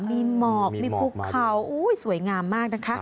มีหมอกมีภูเขาสวยงามมากนะคะ